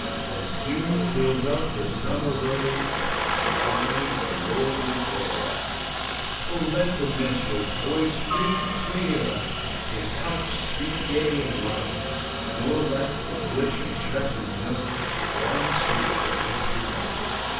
As dew fills up the summer rose And wine the lordly bowl ! let the minstrePs voice ring clear. His touch sweep gay and light; Nor let his glittering tresses know One streak of wintry white.